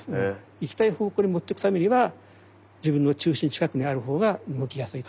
行きたい方向にもってくためには自分の中心近くにあるほうが動きやすいと。